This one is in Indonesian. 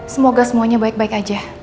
semoga semuanya baik baik aja